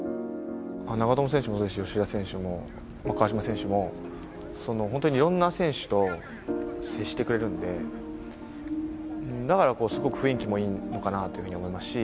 長友選手も吉田選手も川島選手も、本当にいろんな選手と接してくれるんで、だからすごく雰囲気もいいのかなというふうに思いますし。